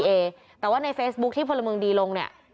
เพราะว่าเฟซบุ๊คที่พลเมิงดีลงเนี่ย